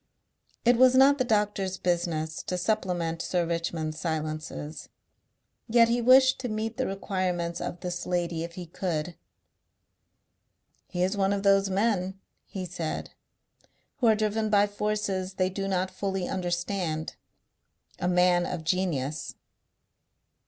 It was not the doctor's business to supplement Sir Richmond's silences. Yet he wished to meet the requirements of this lady if he could. "He is one of those men," he said, "who are driven by forces they do not fully understand. A man of genius."